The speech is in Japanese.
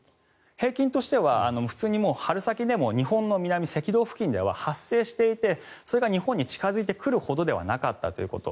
平均としては普通に春先でも日本の南赤道付近では発生していてそれが日本に近付いてくるほどではなかったということ。